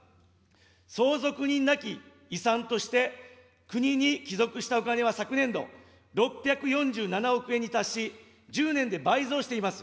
相続人なき遺産として、国に帰属したお金は昨年度、６４７億円に達し、１０年で倍増しています。